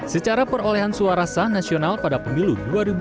secara perolehan suarasa nasional pada pemilu dua ribu sembilan belas